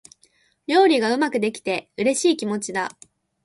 料理がうまくできて、嬉しい気持ちだ。